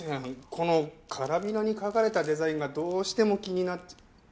このカラビナに描かれたデザインがどうしても気になっちゃ。